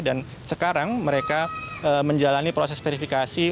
dan sekarang mereka menjalani proses verifikasi